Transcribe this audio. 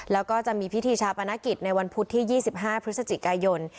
แล้วก็จะมีพิธีชาปนกิจในวันพุธที่๒๕พฤศจิกายน